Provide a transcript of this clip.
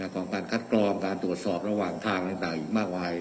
ของการคัดกรองการตรวจสอบระหว่างทางต่างอีกมากมาย